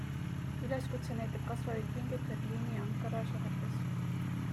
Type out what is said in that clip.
Üleskutse näitab kasvavaid pingeid Berliini ja Ankara suhetes.